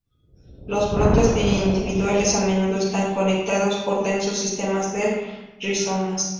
Los brotes individuales a menudo están conectados por densos sistemas de rizomas.